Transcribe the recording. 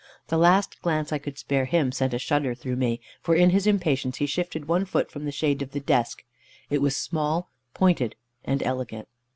The last glance I could spare him sent a shudder through me, for in his impatience he shifted one foot from the shade of the desk. It was small, pointed, and elegant.